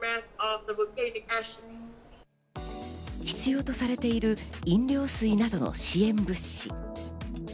必要とされている飲料水などの支援物資。